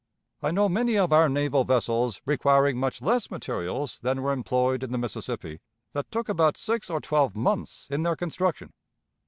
I know many of our naval vessels, requiring much less materials than were employed in the Mississippi, that took about six or twelve months in their construction.